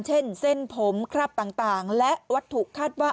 เช่นเส้นผมคราบต่างและวัตถุคาดว่า